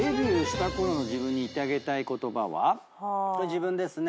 自分ですね。